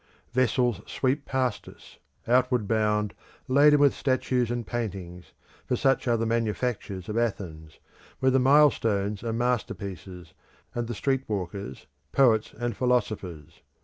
Vessels sweep past us, outward bound, laden with statues and paintings, for such are the manufactures of Athens, where the milestones are masterpieces, and the streetwalkers poets and philosophers.